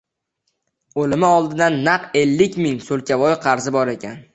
O‘limi oldidan naq ellik ming so‘lkavoy qarzi bor ekan.